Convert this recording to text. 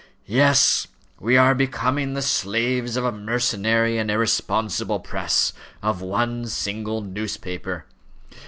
"Yes; we are becoming the slaves of a mercenary and irresponsible press of one single newspaper.